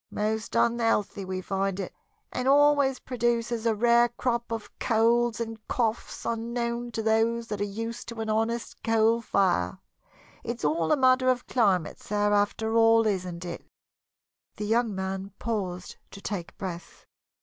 Most unhealthy we find it, and always produces a rare crop of colds and coughs unknown to those that are used to an honest coal fire. It's all a matter of climate, sir, after all, isn't it?" The young man paused to take breath.